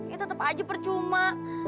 ya tetep aja percuma